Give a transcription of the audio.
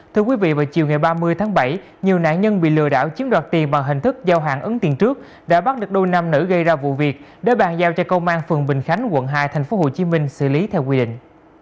thưa quý vị vào chiều ngày ba mươi tháng bảy nhiều nạn nhân bị lừa đảo chiếm đoạt tiền bằng hình thức giao hàng ấn tiền trước đã bắt được đôi nam nữ gây ra vụ việc để bàn giao cho công an phường bình khánh quận hai tp hcm xử lý theo quy định